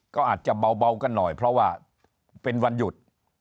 ก็อาจจะเบากันหน่อยเพราะว่าเป็นวันหยุด